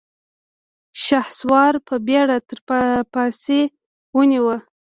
شهسوار په بېړه تر پايڅې ونيو.